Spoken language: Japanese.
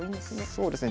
そうですね。